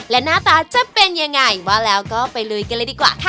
และหน้าตาจะเป็นยังไงว่าแล้วก็ไปลุยกันเลยดีกว่าค่ะ